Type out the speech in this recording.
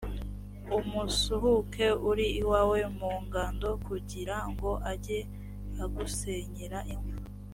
umusuhuke uri iwawe mu ngando, kugira ngo ajye agusenyera inkwi